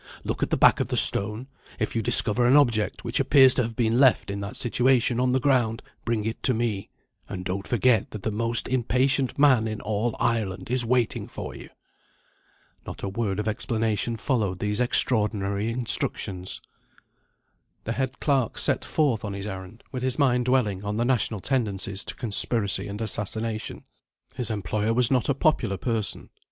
Look at the back of the stone. If you discover an Object which appears to have been left in that situation on the ground, bring it to me; and don't forget that the most impatient man in all Ireland is waiting for you." Not a word of explanation followed these extraordinary instructions. The head clerk set forth on his errand, with his mind dwelling on the national tendencies to conspiracy and assassination. His employer was not a popular person.